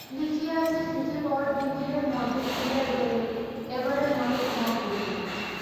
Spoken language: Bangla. লিখিয়াছে চিঠি পাওয়ার তিনদিনের মধ্যে ফিরিয়া গেলে এবারের মতো ক্ষমা করিবে।